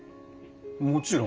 もちろん。